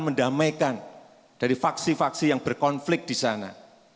mendamaikan dari faksi faksi yang berkonflik di sana